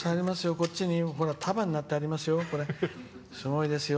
こっちに、束になってありますよ。